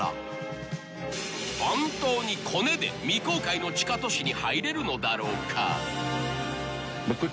［本当にコネで未公開の地下都市に入れるのだろうか？］